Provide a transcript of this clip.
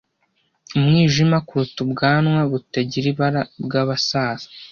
Umwijima kuruta ubwanwa butagira ibara bwabasaza,